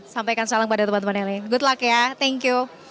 sampaikan salam pada teman teman yang lain good luck ya thank you